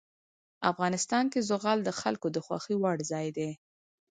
افغانستان کې زغال د خلکو د خوښې وړ ځای دی.